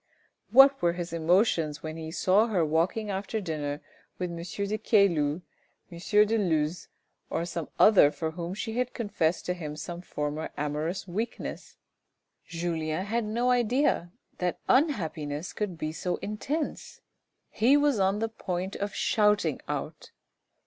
What were his emotions when he saw her walking after dinner with M. de Caylus, M. de Luz, or some other for whom she had confessed to him some former amorous weakness ! Julien had no idea that unhappiness could be so intense ; he was on the point of shouting out.